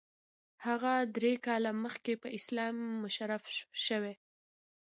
هغه درې کاله مخکې په اسلام مشرف شوی.